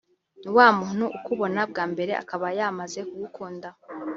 ni wa muntu ukubona bwa mbere akaba yamaze kugukunda